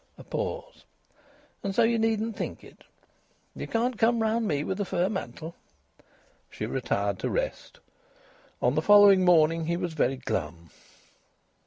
A pause. "And so you needn't think it! You can't come round me with a fur mantle." She retired to rest. On the following morning he was very glum.